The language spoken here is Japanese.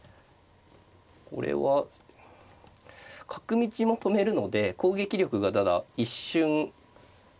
これは角道も止めるので攻撃力がただ一瞬そうですね